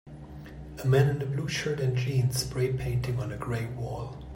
A man in a blue shirt and jeans spray painting on a gray wall.